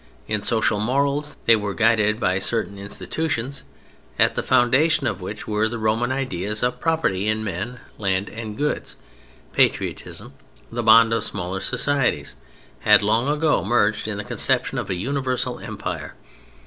In social morals they were guided by certain institutions, at the foundation of which were the Roman ideas of property in men, land and goods; patriotism, the bond of smaller societies, had long ago merged in the conception of a universal empire.